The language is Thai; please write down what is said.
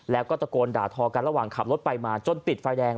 แล้วก็ตะโกนด่าทอกันระหว่างขับรถไปมาจนติดไฟแดง